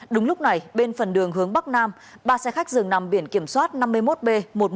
đúng lúc này bên phần đường hướng bắc nam ba xe khách dừng nằm biển kiểm soát năm mươi một b một mươi một nghìn sáu trăm ba mươi một